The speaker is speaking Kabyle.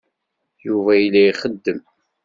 Yuba yella ixeddem.